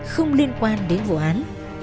không liên quan đến vụ án